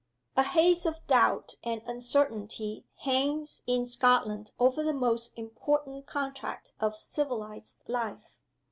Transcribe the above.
A haze of doubt and uncertainty hangs in Scotland over the most important contract of civilized life.